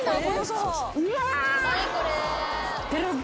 うわ！